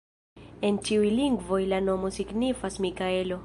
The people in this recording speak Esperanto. En ĉiuj lingvoj la nomo signifas Mikaelo.